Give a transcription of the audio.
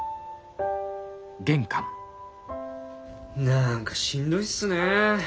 何かしんどいっすね。